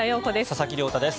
佐々木亮太です。